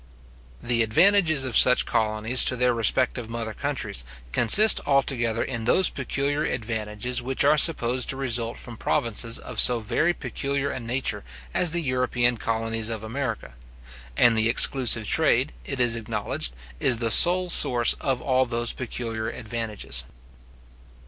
The advantages of such colonies to their respective mother countries, consist altogether in those peculiar advantages which are supposed to result from provinces of so very peculiar a nature as the European colonies of America; and the exclusive trade, it is acknowledged, is the sole source of all those peculiar advantages.